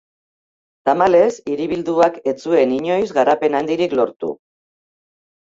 Tamalez, hiribilduak ez zuen inoiz garapen handirik lortu.